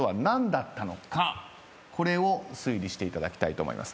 これを推理していただきたいと思います。